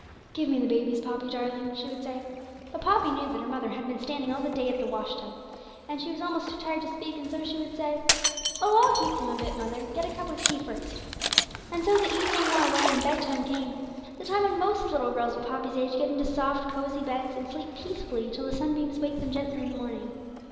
'Give me the babies, Poppy darling,' she would say. But Poppy knew that her mother had been standing all the day at a washing tub, and that she was almost too tired to speak, and so she would say, 'Oh, I'll keep them a bit, mother; get a cup of tea first.' And so the evening wore away, and bedtime came; the time when most little girls of Poppy's age get into soft, cosy beds, and sleep peacefully till the sunbeams wake them gently in the morning.